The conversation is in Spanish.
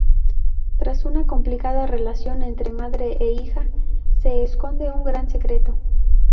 Tras una complicada relación entre madre e hija, se esconde un gran secreto.